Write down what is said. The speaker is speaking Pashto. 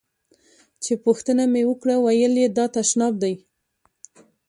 چې پوښتنه مې وکړه ویل یې دا تشناب دی.